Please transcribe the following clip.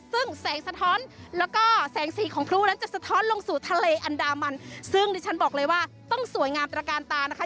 ซึ่งแสงสะท้อนแล้วก็แสงสีของพลุนั้นจะสะท้อนลงสู่ทะเลอันดามันซึ่งดิฉันบอกเลยว่าต้องสวยงามตระการตานะคะ